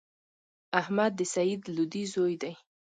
احمد د سعید لودی زوی دﺉ.